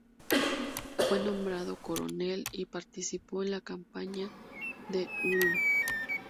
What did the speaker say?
Fue nombrado coronel y participó en la campaña de Ulm.